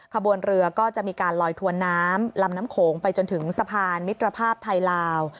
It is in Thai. ขบวนเรือก็จะมีการลอยถวนน้ำลำน้ำโขงไปจนถึงสะพานมิตรภาพไทยลาว